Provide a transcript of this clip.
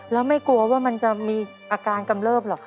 แล้วไม่กลัวว่ามันจะมีอาการกำเริบเหรอคะ